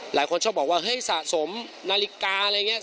หลายคนชอบบอกว่าเฮ้ยสะสมนาฬิกาอะไรอย่างนี้